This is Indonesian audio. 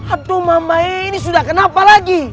abdu mama ini sudah kenapa lagi